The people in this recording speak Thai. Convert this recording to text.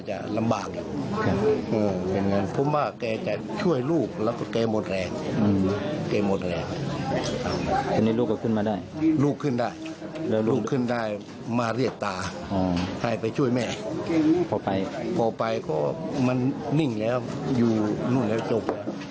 ให้ไปช่วยแม่พอไปก็มันนิ่งแล้วอยู่นู่นแล้วจบ